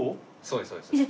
そうですそうです。